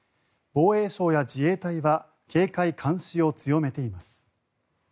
防衛省や自衛隊は警戒監視を強めています。